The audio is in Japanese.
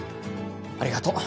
ありがとう。